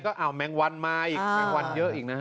ก็อ้าวแมงวันมาอีกแมงวันเยอะอีกนะฮะ